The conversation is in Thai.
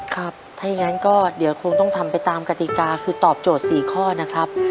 ครับถ้าอย่างนั้นก็เดี๋ยวคงต้องทำไปตามกติกาคือตอบโจทย์๔ข้อนะครับ